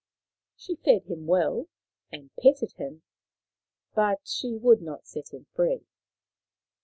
She fed him well, and petted him ; but she would not set him free.